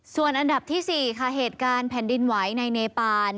ส่วนอันดับที่๔ค่ะเหตุการณ์แผ่นดินไหวในเนปาน